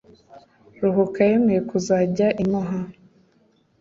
ruhuka yemeye kuzajya imuha